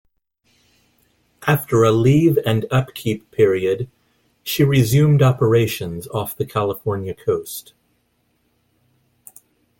After a leave and upkeep period, she resumed operations off the California coast.